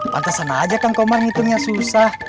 pantesan aja kang komar ngitunya susah